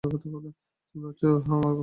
তুমি ভাবছ এটা আমার ক্ষমার পরিচয়?